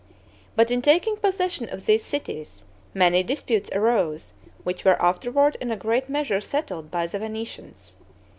But in taking possession of these cities, many disputes arose which were afterward in a great measure settled by the Venetians.